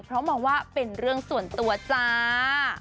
เพราะมองว่าเป็นเรื่องส่วนตัวจ้า